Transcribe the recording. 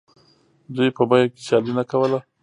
دوی په بیو کې سیالي نه کوله